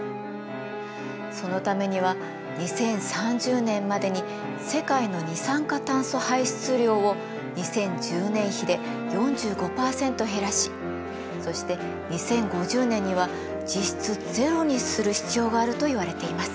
そのためには２０３０年までに世界の二酸化炭素排出量を２０１０年比で４５％減らしそして２０５０年には実質ゼロにする必要があるといわれています。